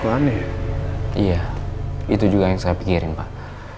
iya itu juga yang saya pikirin pak